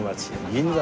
銀座。